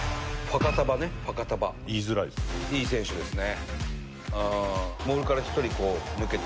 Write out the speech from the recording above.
いい選手ですね。